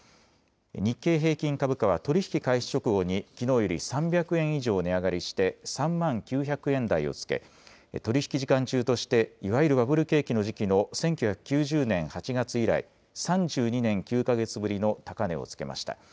日経平均株価は取り引き開始直後にきのうより３００円以上値上がりして３万９００円台をつけ、取り引き時間中としていわゆるバブル景気の時期の１９９０年８月以来、３２年９か月ぶりの高値をつけました。